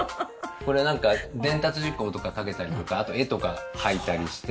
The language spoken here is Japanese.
これなんか伝達事項とか書けたりとかあと絵とか描いたりして。